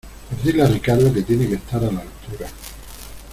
pues dile a Ricardo que tiene que estar a la altura